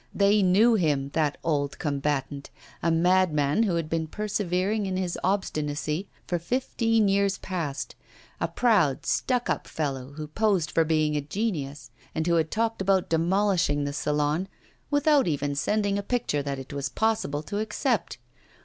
They knew him, that old combatant! A madman who had been persevering in his obstinacy for fifteen years past a proud, stuck up fellow who posed for being a genius, and who had talked about demolishing the Salon, without even sending a picture that it was possible to accept.